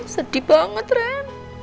sedih banget ren